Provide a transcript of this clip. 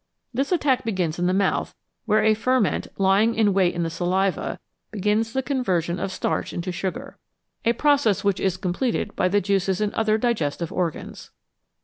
This attack begins in the mouth, where a ferment, lying in wait in the saliva, begins the conversion of starch into sugar, a process which is completed by the juices in other digestive organs.